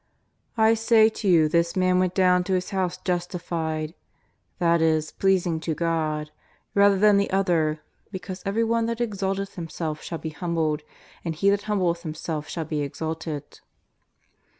I say to you this man went doAvn to his house justified ;' that is, pleasing to God,' rather than the other, be cause everyone that exalteth himself shall be humbled, and he that humbleth himself shall be exalted.''